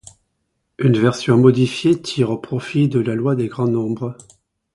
Une version modifiée tire profit de la loi des grands nombres.